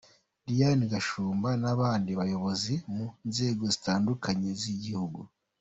Diane Gashumba n’abandi bayobozi mu nzego zitandukanye z’igihugu.